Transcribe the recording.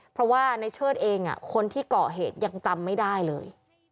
เพราะว่าในเชิดเองคนที่เกาะเหตุยังจำไม่ได้เลย